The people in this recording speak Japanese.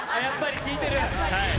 やっぱり効いてる？